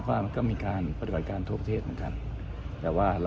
มองว่าเป็นการสกัดท่านหรือเปล่าครับเพราะว่าท่านก็อยู่ในตำแหน่งรองพอด้วยในช่วงนี้นะครับ